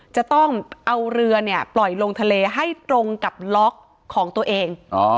จะต้องเอาเรือเนี่ยปล่อยลงทะเลให้ตรงกับล็อกของตัวเอง